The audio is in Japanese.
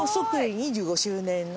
２５周年で。